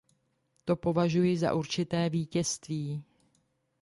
To považuji za určité vítězství.